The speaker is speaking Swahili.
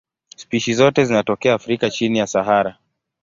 Spishi zote zinatokea Afrika chini ya Sahara.